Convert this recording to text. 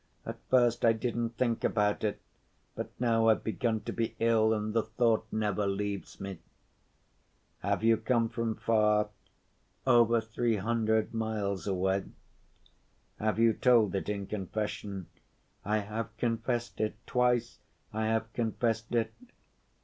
At first I didn't think about it, but now I've begun to be ill, and the thought never leaves me." "Have you come from far?" "Over three hundred miles away." "Have you told it in confession?" "I have confessed it. Twice I have confessed it."